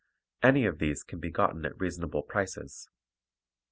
Any of these can be gotten at reasonable prices.